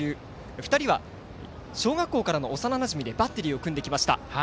２人は、小学校からの幼なじみでバッテリーを組んできました。